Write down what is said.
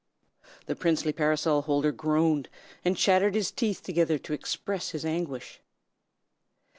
"The Princely Parasol Holder groaned, and chattered his teeth together to express his anguish.